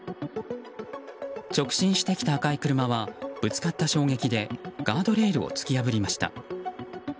直進してきた赤い車はぶつかった衝撃でガードレールを突き破りました。